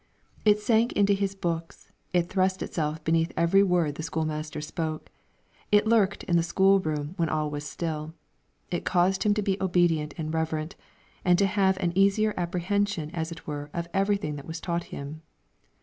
It sank into his books, it thrust itself beneath every word the school master spoke, it lurked in the school room when all was still. It caused him to be obedient and reverent, and to have an easier apprehension as it were of everything that was taught him.